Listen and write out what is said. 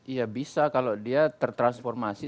iya bisa kalau dia tertransformasi